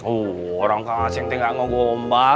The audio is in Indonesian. oh orang kak ngaceng teh gak mau gombal